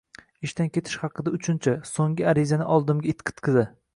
ishdan ketish haqida uchinchi, so‘nggi arizani oldimga itqitdi.